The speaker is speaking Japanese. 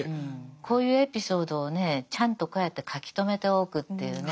こういうエピソードをねちゃんとこうやって書き留めておくっていうね